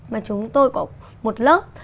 mà chúng tôi có một lớp